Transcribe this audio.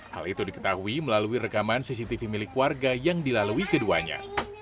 hal itu diketahui melalui rekaman cctv milik warga yang dilalui keduanya